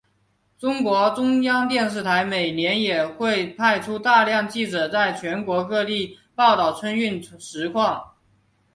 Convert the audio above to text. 中国中央电视台每年也会派出大量记者在全国各地报道春运实况。